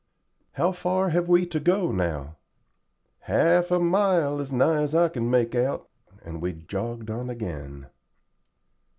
"How far have we to go now?" "Half a mile, as nigh as I can make out;" and we jogged on again.